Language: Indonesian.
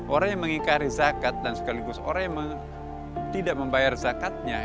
orang yang mengikari zakat dan sekaligus orang yang tidak membayar zakatnya